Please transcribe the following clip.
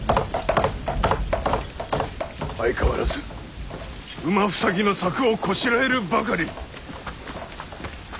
相変わらず馬塞ぎの柵をこしらえるばかり。